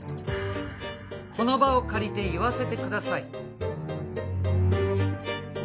「この場を借りて言わせてください」